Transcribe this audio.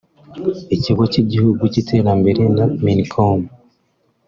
Ikigo cy’Igihugu cy’iterambere na Minicom